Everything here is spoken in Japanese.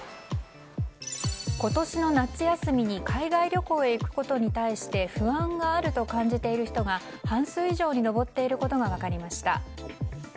今年の夏休みに海外旅行へ行くことに対して不安があると感じている人が半数以上に上っていることが分かりました。